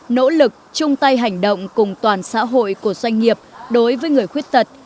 nỗ lực chung tay hành động cùng toàn xã hội của doanh nghiệp đối với người khuyết tật